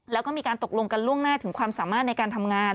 แล้วก็มีการตกลงกันล่วงหน้าถึงความสามารถในการทำงาน